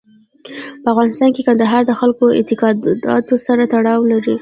په افغانستان کې کندهار د خلکو د اعتقاداتو سره تړاو لري.